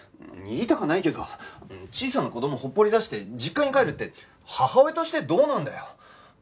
言いたかないけど小さな子供ほっぽり出して実家に帰るって母親としてどうなんだよ。